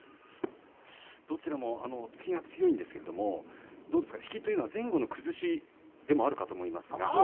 どちらも突きが強いんですけれど引きというのは前後の崩しでもあるかと思います。